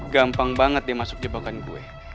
gampang banget dia masuk jebakan gue